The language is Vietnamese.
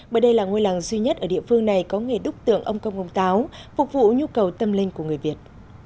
bởi đây là ngôi làng duy nhất ở địa phương này có nghề đúc tượng ông công ông táo phục vụ nhu cầu tâm linh của người việt